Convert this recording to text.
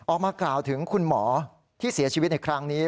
ออกมากล่าวถึงคุณหมอที่เสียชีวิตในครั้งนี้